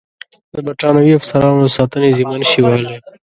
د برټانوي افسرانو د ساتنې ذمه نه شي وهلای.